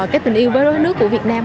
cái tình yêu với rối nước của việt nam